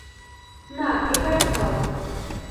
না, এটা খাও।